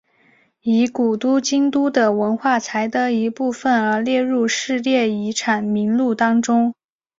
以古都京都的文化财的一部分而列入世界遗产名录当中。